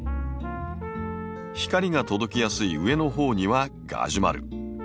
光が届きやすい上のほうにはガジュマル。